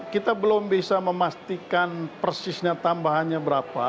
kita belum bisa memastikan persisnya tambahannya berapa